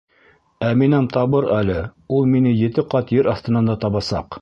Әминәм табыр әле, ул мине ете ҡат ер аҫтынан да табасаҡ.